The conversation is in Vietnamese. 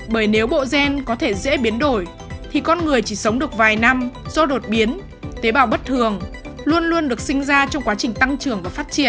bởi nếu bộ gen có thể dễ biến đổi thì con người chỉ sống được vài năm do đột biến tế bào bất thường luôn luôn được sinh ra trong quá trình tăng trưởng và phát triển